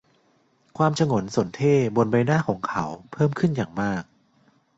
ความฉงนสนเท่ห์บนใบหน้าของเขาเพิ่มขึ้นอย่างมาก